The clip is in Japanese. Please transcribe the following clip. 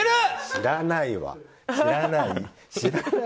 知らないわ、知らない。